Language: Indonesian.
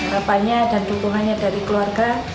harapannya dan dukungannya dari keluarga